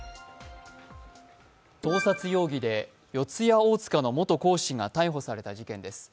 盗撮容疑で四谷大塚の元講師が逮捕された事件です。